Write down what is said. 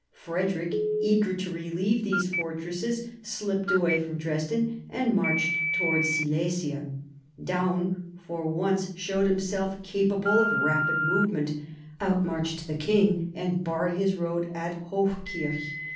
Frederick, eager to relieve these fortresses, slipped away from Dresden and marched towards Silesia. Daun for once showed himself capable of rapid movement, out marched the king, and barred his road at Hochkirch.